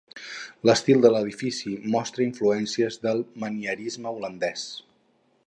L'estil de l'edifici mostra influències del manierisme holandès.